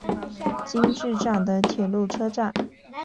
今治站的铁路车站。